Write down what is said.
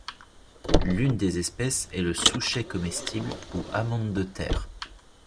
L'une des espèces est le souchet comestible ou amande de terre.